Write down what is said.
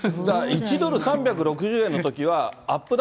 １ドル３６０円のときは、アップ